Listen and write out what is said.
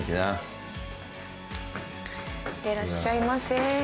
いってらっしゃいませ。